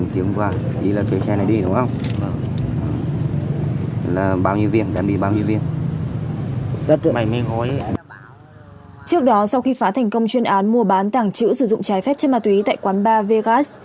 trước đó sau khi phá thành công chuyên án mua bán tảng chữ sử dụng trái phép chân ma túy tại quán ba vegas